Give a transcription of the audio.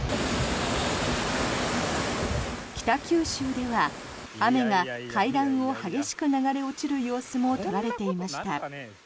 北九州では雨が階段を激しく流れ落ちる様子も捉えられていました。